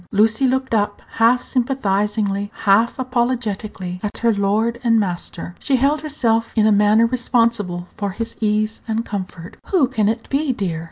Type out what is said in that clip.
Lucy looked up, half sympathizingly, half apologetically, at her lord and master. She held herself in a manner responsible for his ease and comfort. "Who can it be, dear?"